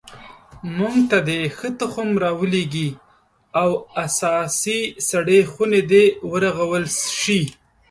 موږ ته دې ښه تخم را ولیږي او اساسي سړې خونې دې ورغول شي